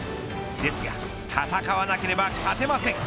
ですが戦わなければ勝てません。